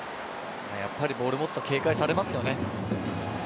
やっぱりボールを持つと警戒されますよね。